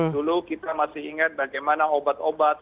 dulu kita masih ingat bagaimana obat obat